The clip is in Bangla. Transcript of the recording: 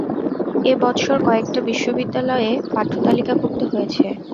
এ-বৎসর কয়েকটা বিশ্ববিদ্যালয়ে পাঠ্যতালিকাভূক্ত হয়েছে।